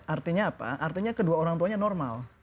artinya apa artinya kedua orang tuanya normal